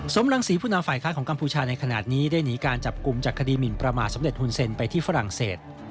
สมรังศรีผู้นำฝ่ายค้านของกัมพูชาในขณะนี้ได้หนีการจับกลุ่มจากคดีหมินประมาทสำเร็จหุ่นเซ็นไปที่ฝรั่งเศส